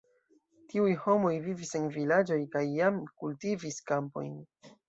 Tiuj homoj vivis en vilaĝoj kaj jam kultivis kampojn.